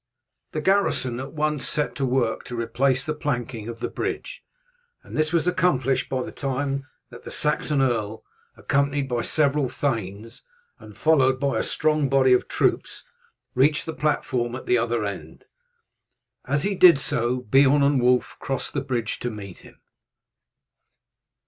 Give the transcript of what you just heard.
The garrison at once set to work to replace the planking of the bridge, and this was accomplished by the time that the Saxon earl, accompanied by several thanes, and followed by a strong body of troops, reached the platform at the other end. As he did so Beorn and Wulf crossed the bridge to meet him.